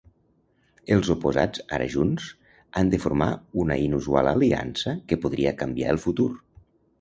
Els oposats ara junts, han de formar una inusual aliança que podria canviar el futur.